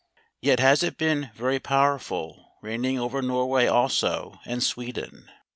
Yet has it been very powerful, reigning over Norway also, and Sweden.